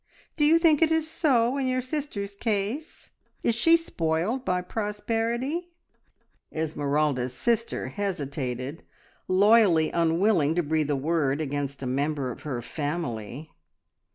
Do you think it is so in your sister's case? Is she spoiled by prosperity?" Esmeralda's sister hesitated, loyally unwilling to breathe a word against a member of her family.